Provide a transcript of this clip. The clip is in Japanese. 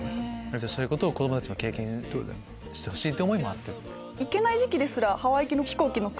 そういうことを子供たちにも経験してほしい思いもあって。